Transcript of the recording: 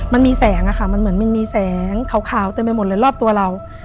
มันมีแสงอะค่ะมันเหมือนมันมีแสงขาวเต็มไปหมดเลยรอบตัวเรา